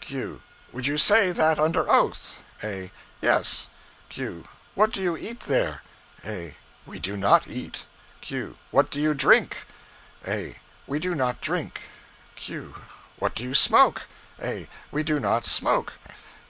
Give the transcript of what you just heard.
Q. Would you say that under oath? A. Yes. Q. What do you eat there? A. We do not eat. Q. What do you drink? A. We do not drink. Q. What do you smoke? A. We do not smoke.